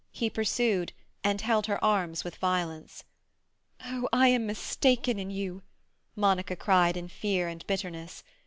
He pursued, and held her arms with violence. "Oh, I am mistaken in you!" Monica cried in fear and bitterness.